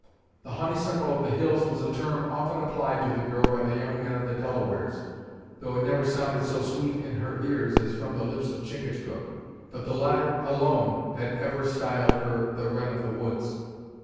The 'Honeysuckle of the Hills' was a term often applied to the girl by the young men of the Delawares, though it never sounded so sweet in her ears as from the lips of Chingachgook; but the latter alone had ever styled her the Wren of the Woods.